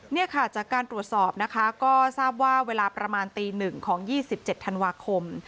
นี่ค่ะจากการตรวจสอบนะคะก็ทราบว่าเวลาประมาณตี๑ของ๒๗ธันวาคม